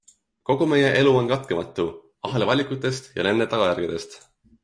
Kogu meie elu on katkematu ahel valikutest ja nende tagajärgedest.